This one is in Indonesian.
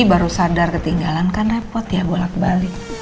baru sadar ketinggalan kan repot ya bolak balik